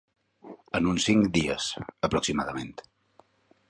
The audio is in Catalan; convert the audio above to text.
En uns cinc dies, aproximadament.